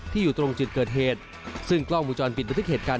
อยู่ตรงจุดเกิดเหตุซึ่งกล้องวงจรปิดบันทึกเหตุการณ์